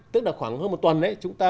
tức là khoảng hơn một tuần